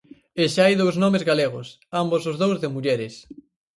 E xa hai dous nomes galegos, ambos os dous de mulleres.